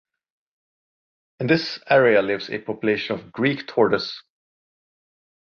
In this area lives a population of Greek Tortoise.